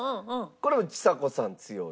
これもちさ子さん強い。